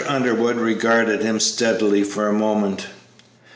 Underwood regarded him steadily for a moment.